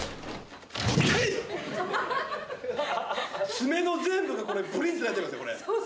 爪の全部がこれブリンってなっちゃいますよこれ。